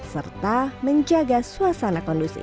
serta menjaga suasana kondusif